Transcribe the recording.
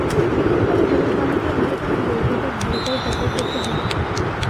বিশেষ করে জমির মালিকের মালিকানা বৈধতা ভালো করে যাচাই করতে হবে।